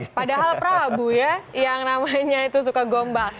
padahal prabu ya yang namanya itu suka gombal